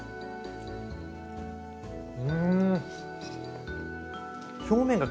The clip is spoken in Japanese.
うん。